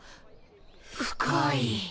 深い。